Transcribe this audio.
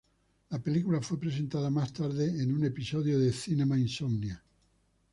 La película fue presentada más tarde en un episodio de "Cinema Insomnia".